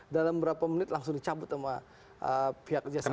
dalam berapa menit langsung dicabut sama pihak jasa marga